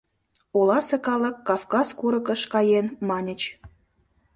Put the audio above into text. Оласе калык Кавказ курыкыш каен, маньыч.